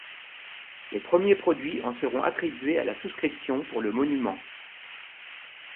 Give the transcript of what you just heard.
Les premiers produits en seront attribués à la souscription pour le monument.